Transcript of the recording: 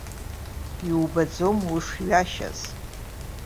Иубаӡом ушҩашьаз.